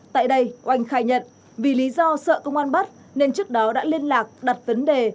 tại đây oanh khai nhận vì lý do sợ công an bắt nên trước đó đã liên lạc đặt vấn đề